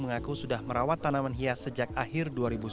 mengaku sudah merawat tanaman hias sejak akhir dua ribu sembilan belas